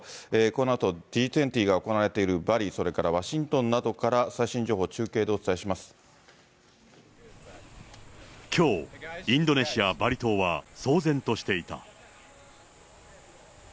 このあとＧ２０が行われているバリ、それからワシントンなどから、きょう、インドネシア・バリ島は騒然としていた。